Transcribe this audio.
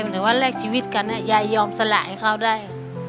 หรือว่าแลกชีวิตกันยายยอมสละให้เขาได้